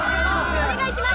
お願いします